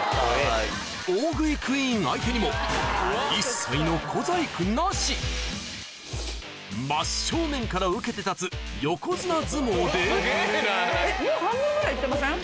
大食いクイーン相手にも真っ正面から受けて立つ横綱相撲でえっもう半分ぐらい行ってません？